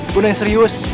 guna yang serius